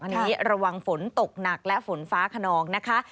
อันนี้ระวังฝนตกหนักและฝนฟ้าขนองนะคะ